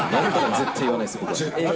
絶対言わないです。